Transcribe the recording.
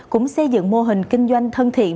cũng xây dựng mô hình kinh doanh thân thiện